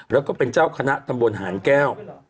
แล้วก็เป็นเจ้าคณะตำบลหานแก้ว